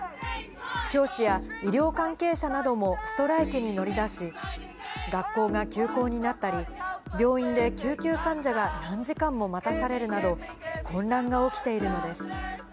教師や医療関係者などもストライキに乗り出し、学校が休校になったり、病院で救急患者が何時間も待たされるなど、混乱が起きているのです。